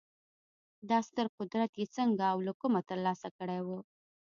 دا ستر قدرت یې څنګه او له کومه ترلاسه کړی و